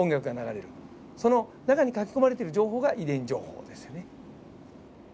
その中に書き込まれてる情報が遺伝情報ですよね。